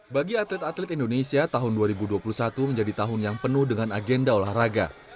bagi atlet atlet indonesia tahun dua ribu dua puluh satu menjadi tahun yang penuh dengan agenda olahraga